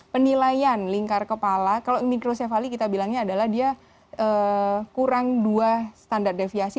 penilaian lingkar kepala kalau mikrosefali kita bilangnya adalah dia kurang dua standar deviasi